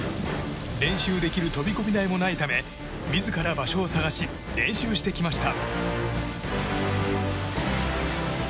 練習できる飛込台もないため自ら場所を探し練習してきました。